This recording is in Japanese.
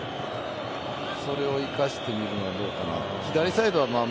それを生かしてみるのはどうかなと。